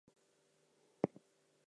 It is the custom to mix flour with water.